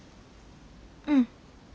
うん。